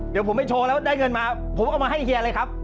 เดี๋ยวผมไปโชว์แล้วได้เงินมาผมเอามาให้เฮียเลยครับ